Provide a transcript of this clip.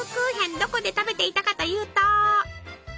どこで食べていたかというと。